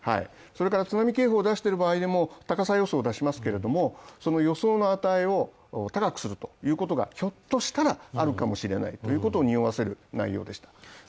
それから津波警報を出している場合でも高さ予想を出しますけど、予想の値を高くするということがひょっとしたらあるかもしれないということをにおわせる内容でした。